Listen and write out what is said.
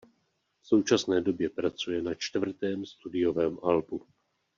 V současné době pracuje na čtvrtém studiovém albu.